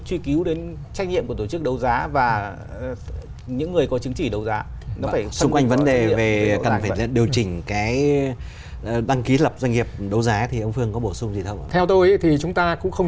tức là trách nhiệm bồi thường